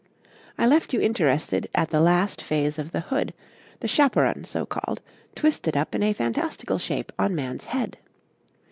I left you interested at the last phase of the hood, the chaperon so called, twisted up in a fantastical shape on man's head.